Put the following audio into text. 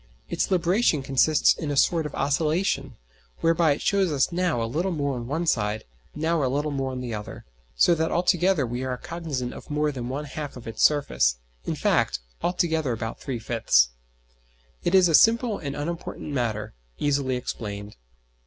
Its libration consists in a sort of oscillation, whereby it shows us now a little more on one side, now a little more on the other, so that altogether we are cognizant of more than one half of its surface in fact, altogether of about three fifths. It is a simple and unimportant matter, easily explained.